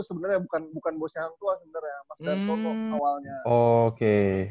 sebenernya bukan bosnya hangtuah sebenernya mas darsono awalnya